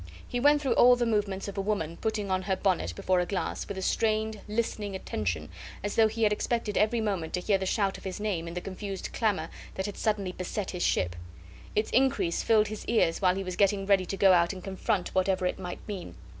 He went through all the movements of a woman putting on her bonnet before a glass, with a strained, listening attention, as though he had expected every moment to hear the shout of his name in the confused clamour that had suddenly beset his ship. Its increase filled his ears while he was getting ready to go out and confront whatever it might mean.